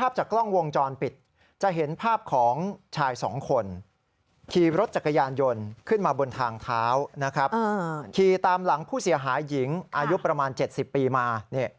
ประมาณ๗๐ปีมาผู้เสียหายที่ลูกศรสีแดง